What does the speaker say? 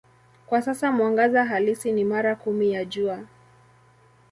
Kwa sasa mwangaza halisi ni mara kumi ya Jua.